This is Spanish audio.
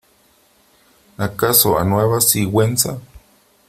¿ acaso a Nueva Sigüenza ?